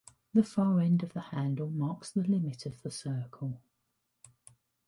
The far end of the handle marks the limits of the circle.